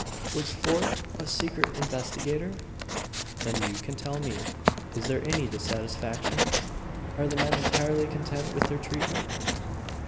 Was Fort a secret investigator? "Then you can tell me. Is there any dissatisfaction? Are the men entirely content with their treatment?"